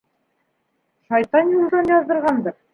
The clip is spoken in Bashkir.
Шайтан юлдан яҙҙырғандыр.